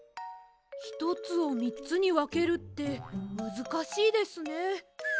ひとつをみっつにわけるってむずかしいですね。